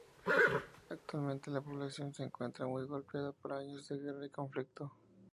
Actualmente la población se encuentra muy golpeada por años de guerra y conflicto.